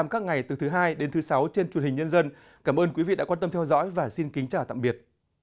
các khách hàng mua vé máy bay trên trang web